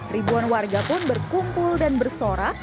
ribuan warga pun berkumpul dan bersorak